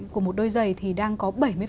của một đôi dày thì đang có bảy mươi